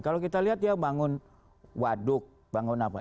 kalau kita lihat dia bangun waduk bangun apa